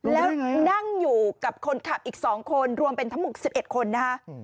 แล้วนั่งอยู่กับคนขับอีก๒คนรวมเป็นทั้งหมด๑๑คนนะคะ